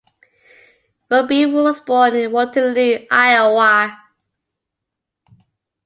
Roby was born in Waterloo, Iowa.